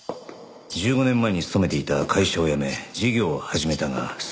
１５年前に勤めていた会社を辞め事業を始めたが早々に失敗。